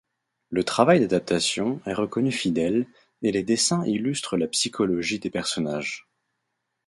Le travail d'adaptation est reconnu fidèle, et les dessins illustrent la psychologie des personnages.